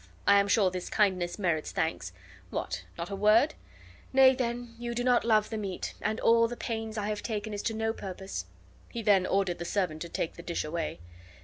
I am sure this kindness merits thanks. What, not a word? Nay, then you love not the meat, and all the pains I have taken is to no purpose." He then ordered the servant to take the dish away.